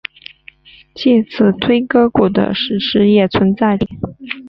介子推割股的史实也存在争议。